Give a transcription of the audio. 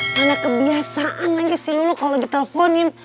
mana kebiasaan lagi sih lulu kalau di teleponin